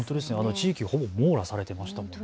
地域をほぼ網羅されていましたよね。